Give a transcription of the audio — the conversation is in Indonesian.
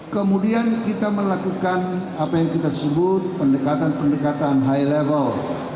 kemudian kita melakukan apa yang kita sebut pendekatan pendekatan high level